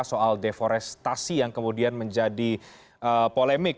soal deforestasi yang kemudian menjadi polemik